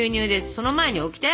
その前にオキテ！